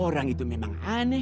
orang itu memang aneh